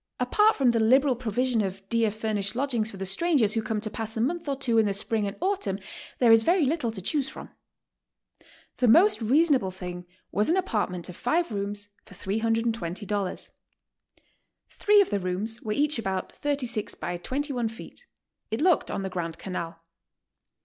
"Apart from 4 he liberal proviision of dear furnished lodgings for the strangers who come to pass a m.onth or two in the spring and autumn, there is very little to chcyose from." The most reasonable thing was an apartment of five rooms for $320. Three of the rooms were each about 36 X 21. It looked on the Grand Canal.